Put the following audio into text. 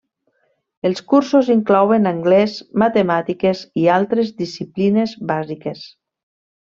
Els cursos inclouen anglès, matemàtiques i altres disciplines bàsiques.